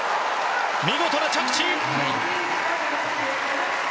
見事な着地！